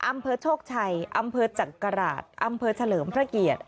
อำเภอโชคชัยอำเภอจักราชอำเภอเฉลิมพระเกียรติ